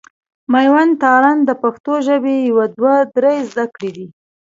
مېوند تارڼ د پښتو ژبي يو دوه درې زده کړي.